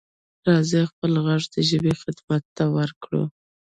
راځه خپل غږ د ژبې خدمت ته ورکړو.